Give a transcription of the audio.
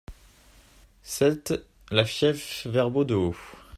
sept la Fieffe Verbot de Haut